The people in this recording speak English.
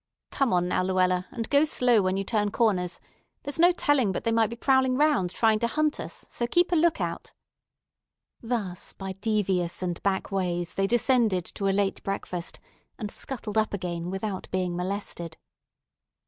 Come on now, Luella, and go slow when you turn corners. There's no telling but they might be prowling round trying to hunt us; so keep a lookout." Thus by devious and back ways they descended to a late breakfast, and scuttled up again without being molested.